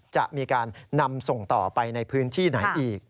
จะมีการนำส่งต่อไปในพื้นที่ไหนอีก